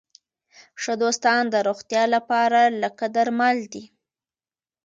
ښه دوستان د روغتیا لپاره لکه درمل دي.